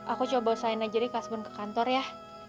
aku coba usahain aja deh kasih bun ke kantor ya